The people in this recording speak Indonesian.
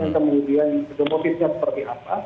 dan kemudian kemudian motifnya seperti apa